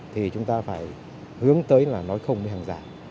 thì chúng ta phải hướng tới là nói không với hàng giả